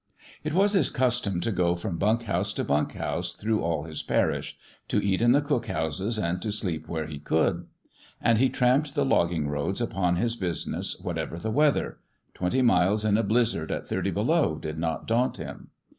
It was his custom to go from bunk house to bunk house through all his parish to eat in the cook houses and to sleep where he could. And he tramped the logging roads upon his business whatever the weather : twenty miles in a blizzard at thirty below did not daunt him.